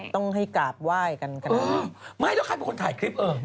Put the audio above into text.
ต้องให้กราบไหว้กันขนาดนี้